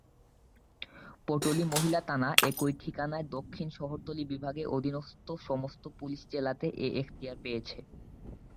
পাটুলি মহিলা থানা একই ঠিকানায় দক্ষিণ শহরতলির বিভাগের অধীনস্থ সমস্ত পুলিশ জেলাতে এখতিয়ার পেয়েছে।